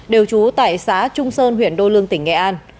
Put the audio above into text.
đều trú tại xã trung sơn huyện đô lương tỉnh nghệ an